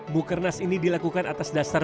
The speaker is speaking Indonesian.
bukernas ini dilakukan atas dasar